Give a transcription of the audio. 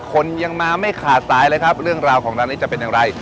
คนยังมาไม่ขาดสายเลยครับเรื่องราวของร้านนี้จะเป็นอย่างไร